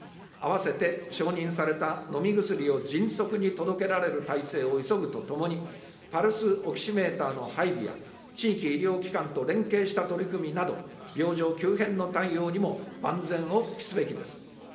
併せて承認された飲み薬を迅速に届けられる体制を急ぐとともに、パルスオキシメーターの配備や、地域医療機関と連携した取り組みなど、病状急変の対応にも万全を期すべきです。